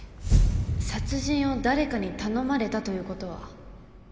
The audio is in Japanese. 殺人を誰かに頼まれたということは？